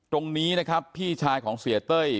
ตรงนี้นะครับพี่ชายของเสียเต้ย